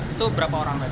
itu berapa orang